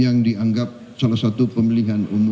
yang dianggap salah satu pemilihan umum